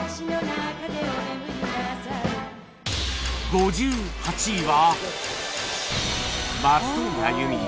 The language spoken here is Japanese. ５８位は